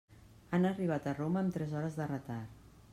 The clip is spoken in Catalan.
Han arribat a Roma amb tres hores de retard.